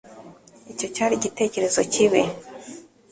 Icyo cyari igitekerezo kibi